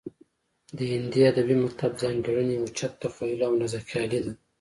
د هندي ادبي مکتب ځانګړنې اوچت تخیل او نازکخیالي ده